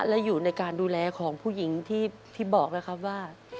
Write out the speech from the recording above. และอยู่ในการดูแลของผู้หญิงที่บอกนะครับว่า